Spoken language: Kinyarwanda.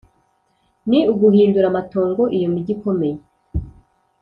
ni uguhindura amatongo iyo migi ikomeye.